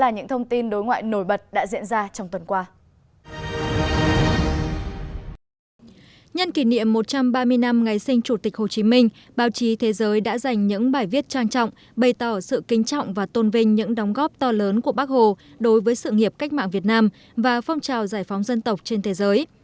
chủ tịch hồ chí minh báo chí thế giới đã dành những bài viết trang trọng bày tỏ sự kinh trọng và tôn vinh những đóng góp to lớn của bác hồ đối với sự nghiệp cách mạng việt nam và phong trào giải phóng dân tộc trên thế giới